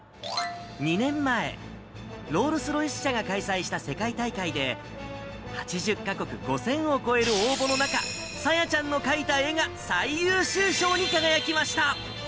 ２年前、ロールス・ロイス社が開催した世界大会で、８０か国５０００を超える応募の中、さやちゃんの描いた絵が最優秀賞に輝きました。